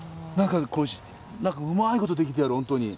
なんかうまいことできてる本当に。